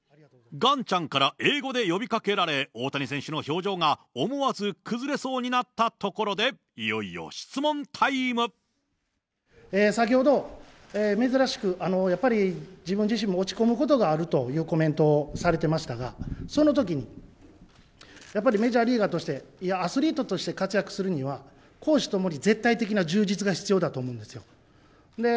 ガンちゃんから英語で呼びかけられ、大谷選手の表情が思わず崩れそうになったところで、いよいよ質問先ほど、珍しく、やっぱり、自分自身も落ち込むことがあるというコメントをされてましたが、そのときにやっぱりメジャーリーガーとして、いや、アスリートとして活躍するには、公私ともに絶対的な充実が必要だと思うんですよ。